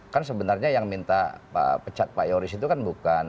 kan sebenarnya yang minta pecat pak yoris itu kan bukan